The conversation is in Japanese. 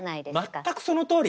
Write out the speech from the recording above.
全くそのとおり！